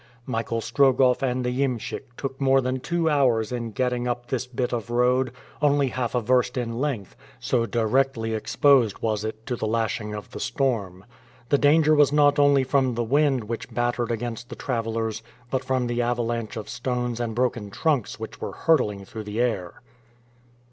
Michael Strogoff and the iemschik took more than two hours in getting up this bit of road, only half a verst in length, so directly exposed was it to the lashing of the storm. The danger was not only from the wind which battered against the travelers, but from the avalanche of stones and broken trunks which were hurtling through the air.